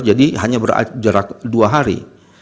jadi hanya berjarak dua hari